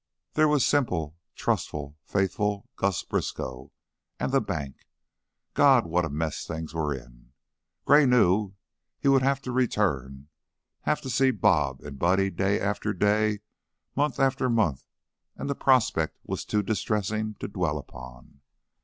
There was simple, trustful, faithful Gus Briskow. And the bank. God, what a mess things were in! Gray knew he would have to return, have to see "Bob" and Buddy day after day, month after month, and the prospect was too distressing to dwell upon.